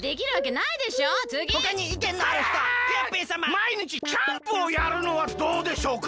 まいにちキャンプをやるのはどうでしょうか？